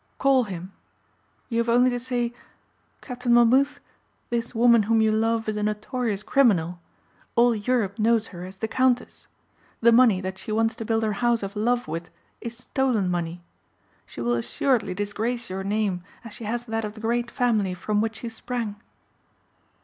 Call him. You have only to say, 'Captain Monmouth, this woman whom you love is a notorious criminal. All Europe knows her as the Countess. The money that she wants to build her house of love with is stolen money. She will assuredly disgrace your name as she has that of the great family from which she sprang.